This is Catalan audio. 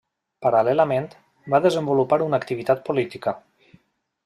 Paral·lelament, va desenvolupar una activitat política.